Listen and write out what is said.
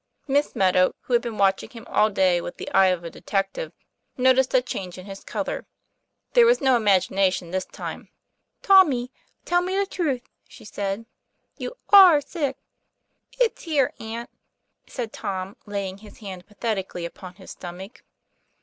Miss Meadow, who had been watching him all day with the eye of a detective, noticed a change in his color. There was no imagination this time. "Tommy, tell me the truth," she said, "you are sick." "It's here, aunt," said Tom, laying his hand pathetically upon his stomach.